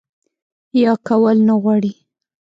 يا کول نۀ غواړي